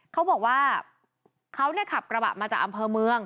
เขาบอกว่าเขาขับกระบะมาจากอำเภอเมือง